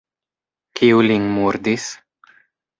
Kiu lin murdis?